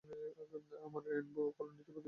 আমরা রেইনবো কলোনিতে প্রতিবেশী ছিলাম।